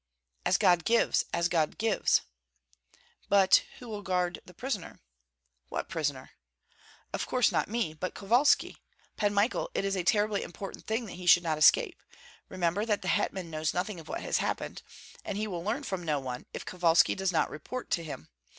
"As God gives, as God gives!" "But who will guard the prisoner?" "What prisoner?" "Of course, not me, but Kovalski. Pan Michael, it is a terribly important thing that he should not escape. Remember that the hetman knows nothing of what has happened, and will learn from no one, if Kovalski does not report to him.